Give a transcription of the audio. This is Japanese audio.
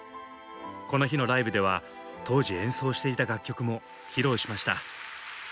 この日のライブでは当時演奏していた楽曲も披露しました。